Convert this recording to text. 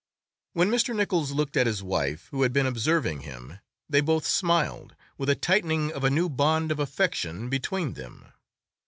When Mr. Nichols looked at his wife, who had been observing him, they both smiled, with a tightening of a new bond of affection between them.